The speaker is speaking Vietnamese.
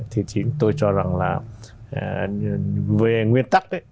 thì tôi cho rằng là về nguyên tắc ấy